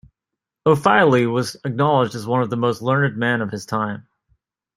O'Fihely was acknowledged as one of the most learned men of his time.